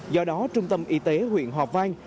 do đó trung tâm y tế huyện hòa vang